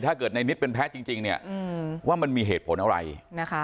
ถ้าเกิดในนิดเป็นแพ้จริงเนี่ยว่ามันมีเหตุผลอะไรนะคะ